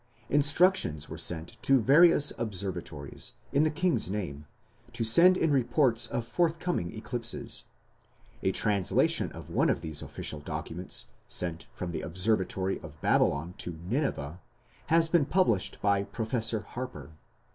Instructions were sent to various observatories, in the king's name, to send in reports of forthcoming eclipses. A translation of one of these official documents sent from the observatory of Babylon to Nineveh, has been published by Professor Harper.